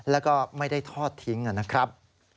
แล้วก็ไม่ได้ทอดทิ้งนะครับ